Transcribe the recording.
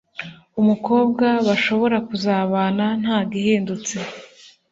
umukobwa bashobora kuzabana ntagihindutse